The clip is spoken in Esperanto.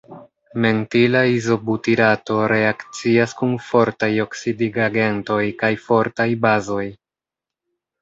Mentila izobutirato reakcias kun fortaj oksidigagentoj kaj fortaj bazoj.